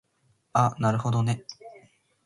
あなるほどね